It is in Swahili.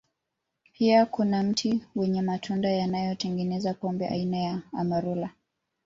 Pia kuna mti wenye matunda yanayotengeneza pombe aina ya Amarula